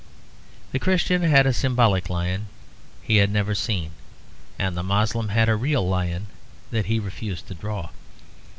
The Christian had a symbolic lion he had never seen, and the Moslem had a real lion that he refused to draw.